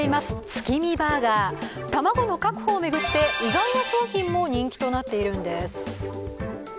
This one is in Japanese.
月見バーガー卵の確保を巡って意外な商品も人気になっているんです。